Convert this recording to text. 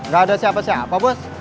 gak ada siapa siapa bos